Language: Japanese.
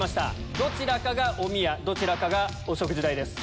どちらかがおみやどちらかがお食事代です。